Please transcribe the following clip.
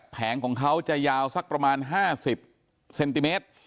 แผงของเขาจะยาวสักประมาณ๕๐เซนติเมตร